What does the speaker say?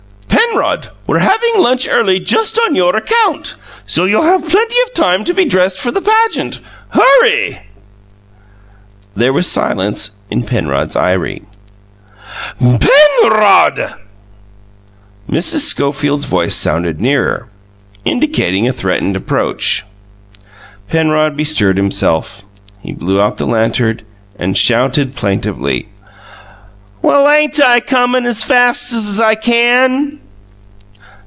"Penrod! We're having lunch early just on your account, so you'll have plenty of time to be dressed for the pageant. Hurry!" There was silence in Penrod's aerie. "PEN rod!" Mrs. Schofields voice sounded nearer, indicating a threatened approach. Penrod bestirred himself: he blew out the lantern, and shouted plaintively: "Well, ain't I coming fast's I can?"